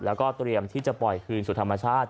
แล้วก็เตรียมที่จะปล่อยคืนสู่ธรรมชาติ